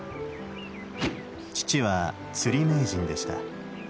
父は釣り名人でした。